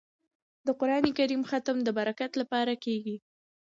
د قران کریم ختم د برکت لپاره کیږي.